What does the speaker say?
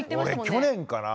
俺去年かな？